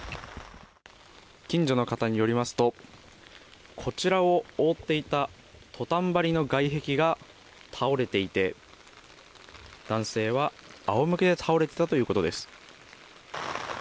近所の方によりますと、こちらを覆っていたトタン張りの外壁が倒れていて、男性はあおむけで倒れていたということです。